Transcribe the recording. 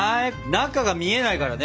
中が見えないからね。